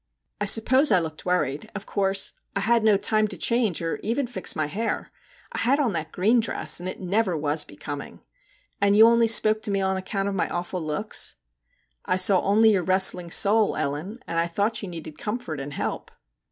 ' I suppose I looked worried ; of course, I had no time to change or even fix my hair; I had on that green dress, and it never was becoming. And you only spoke to me on account of my awful looks ?'' I saw only your wrestling soul, Ellen, and I thought you needed comfort and help.'